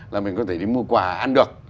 là mình có thể đi mua quà ăn được